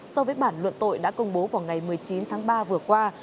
so với bản luận tội đã công bố vào ngày một mươi chín tháng ba vừa qua